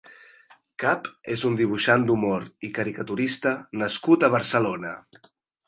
Kap és un dibuixant d'humor i caricaturista nascut a Barcelona.